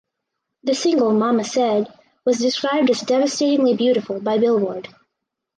The single "Mama Said" was described as "devastatingly beautiful" by "Billboard".